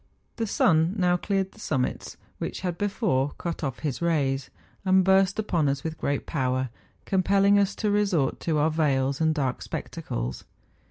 The sun now cleared the summits which had before cut off his rays, and burst upon us with great power, compelling us to resort to our veils and dark spectacles.